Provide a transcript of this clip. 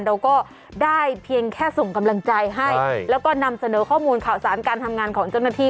เราก็ได้เพียงแค่ส่งกำลังใจให้แล้วก็นำเสนอข้อมูลข่าวสารการทำงานของเจ้าหน้าที่